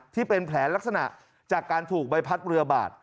ที่เป็นแผลลักษณะจากการถูกใบพัดเรือบาด